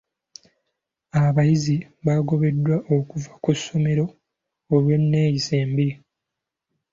Abayizi bagobeddwa okuva ku ssomero olw'enneeyisa embi.